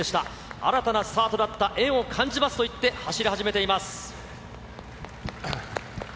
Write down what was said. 新たなスタートだった縁を感じますと言って、走り始めています。